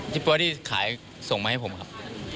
ที่พวกเขาส่งมาให้ผมครับ